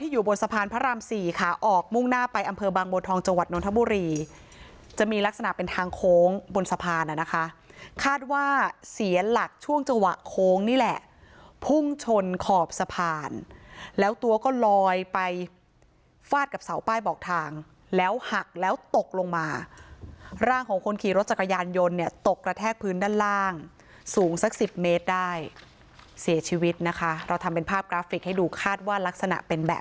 อยู่บนสะพานพระรามสี่ค่ะออกมุ่งหน้าไปอำเภอบางบนทองจังหวัดนทบุรีจะมีลักษณะเป็นทางโค้งบนสะพานนะคะคาดว่าเสียหลักช่วงจังหวะโค้งนี่แหละพุ่งชนขอบสะพานแล้วตัวก็ลอยไปฟาดกับเสาป้ายบอกทางแล้วหักแล้วตกลงมาร่างของคนขี่รถจักรยานยนตกระแทกพื้นด้านล่างสูงสักสิบเมตรได้เสียชีวิตนะคะ